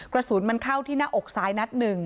กระสุนเข้าที่หน้าอกสาย๑นัด